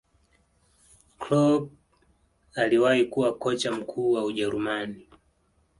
Kloop aliwahi kuwa kocha mkuu wa ujerumani